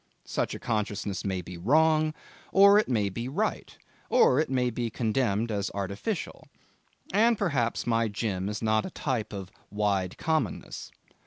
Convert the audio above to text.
Such a consciousness may be wrong, or it may be right, or it may be condemned as artificial; and, perhaps, my Jim is not a type of wide commonness.